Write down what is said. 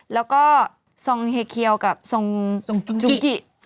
แล้วก็ทรงเฮเควครับทรงชุปกิ